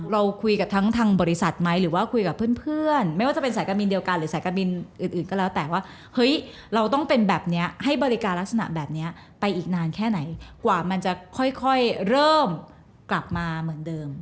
เราคุยกับทั้งทางบริษัทไหมหรือว่าคุยกับเพื่อนไม่ว่าจะเป็นสายการบินเดียวกันหรือสายการบินอื่นก็แล้วแต่ว่าเฮ้ยเราต้องเป็นแบบนี้ให้บริการลักษณะแบบนี้ไปอีกนานแค่ไหนกว่ามันจะค่อยเริ่มกลับมาเหมือนเดิม